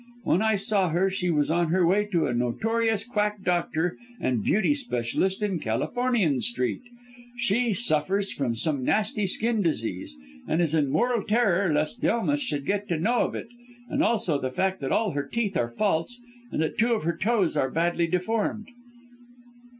When I saw her she was on her way to a notorious quack doctor and beauty specialist in Californian Street. She suffers from some nasty skin disease, and is in mortal terror lest Delmas should get to know of it, and also of the fact that all her teeth are false, and that two of her toes are badly deformed."